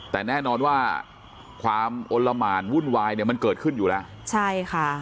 แต่แน่นอนว่าความอลละหมานวุ่นวายเนี่ยมันเกิดขึ้นอยู่แล้วใช่ค่ะ